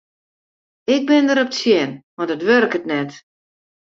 Ik bin derop tsjin want it wurket net.